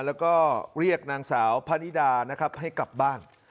แล้วก็เรียกนางสาวพะนิดานะครับให้กลับบ้าน